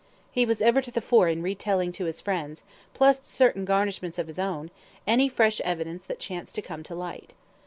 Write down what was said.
He was ever to the fore in retailing to his friends, plus certain garnishments of his own, any fresh evidence that chanced to come to light.